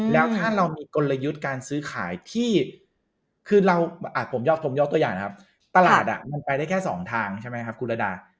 แล้วถ้าเรามีกลยุทธ์การซื้อขายที่คือเราผมยกตัวอย่างนะครับตลาดมันไปได้แค่สองทางใช่ไหมครับคุณระดา